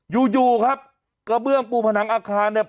อยู่อยู่ครับกระเบื้องปูผนังอาคารเนี่ย